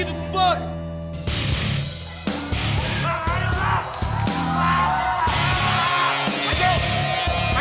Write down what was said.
candra bangun candra